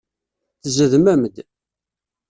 Tezdmem-d.